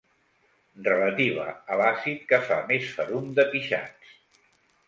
Relativa a l'àcid que fa més ferum de pixats.